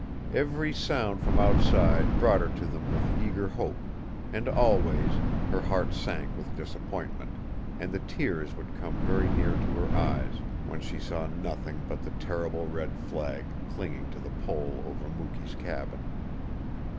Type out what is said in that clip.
Every sound from outside brought her to them with eager hope; and always, her heart sank with disappointment, and the tears would come very near to her eyes, when she saw nothing but the terrible red flag clinging to the pole over Mukee's cabin.